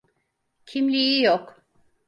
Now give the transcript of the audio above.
Kimliği yok.